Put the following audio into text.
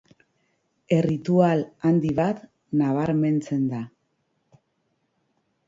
Erritual handi bat nabarmentzen da.